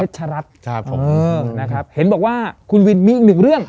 เพชรรัฐใช่ครับผมเออนะครับเห็นบอกว่าคุณวินมีอีกหนึ่งเรื่อง